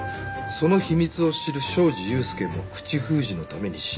その秘密を知る小路祐介も口封じのために死んだ。